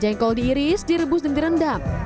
jengkol diiris direbus dan direndam